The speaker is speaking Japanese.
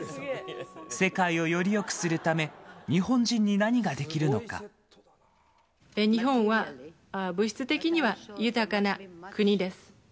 世界をよりよくするため、日本人日本は物質的には豊かな国です。